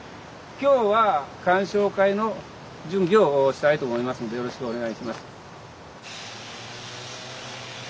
今日は鑑賞会の準備をしたいと思いますんでよろしくお願いします。